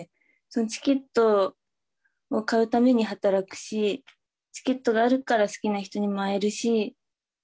チケットを買うために働くし、チケットがあるから好きな人にも会えるし。